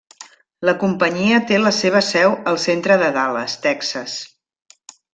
La companyia té la seva seu al centre de Dallas, Texas.